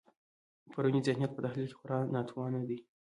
پرونی ذهنیت په تحلیل کې خورا ناتوانه دی.